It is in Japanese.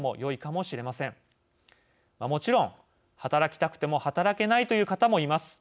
もちろん、働きたくても働けないという方もいます。